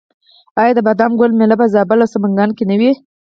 آیا د بادام ګل میله په زابل او سمنګان کې نه وي؟